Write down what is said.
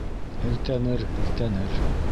Һелтәнер, һелтәнер